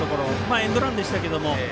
エンドランでしたけど。